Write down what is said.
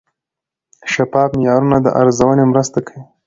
شفاف معیارونه د ارزونې مرسته کوي.